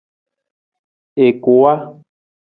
I kuwa.